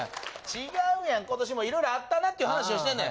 違うやん、ことしもいろいろあったなっていう話をしてんねん。